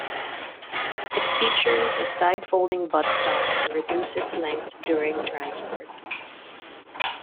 It features a side-folding buttstock to reduce its length during transport.